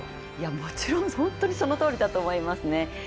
もちろん、本当にそのとおりだと思いますね。